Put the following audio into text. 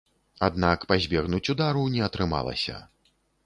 Аднак пазбегнуць удару не атрымалася.